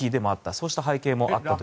そうした背景もあったと。